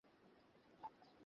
আর মগটা সাথে নিয়ে আসছিস কেন?